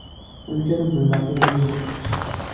Amek ara am-d-mleɣ tayri-inu?